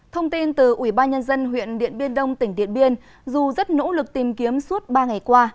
thông tin từ ủy ban nhân dân huyện điện biên đông tỉnh điện biên dù rất nỗ lực tìm kiếm suốt ba ngày qua